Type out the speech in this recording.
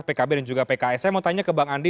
pkb dan juga pks saya mau tanya ke bang andi